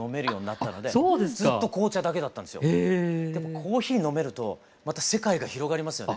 コーヒー飲めると世界が広がりますよね。